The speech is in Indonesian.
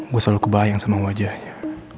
gue selalu kebayang sama wajahnya